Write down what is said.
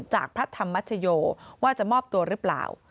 พระธรรมชโยว่าจะมอบตัวหรือเปล่า